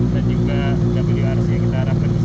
dan juga wrc yang kita harapkan bisa kembali ke indonesia